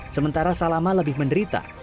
sementara salama lebih menderita